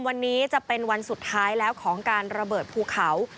วันนี้จะเป็นวันสุดท้ายแล้วของการระเบิดภูเขา